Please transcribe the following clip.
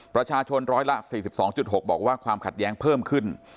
ประชาชนร้อยละ๔๒๖บอกว่าความขัดแย้งเพิ่มขึ้น